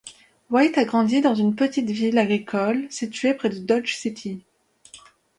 White a grandi dans une petite ville agricole située près de Dodge City.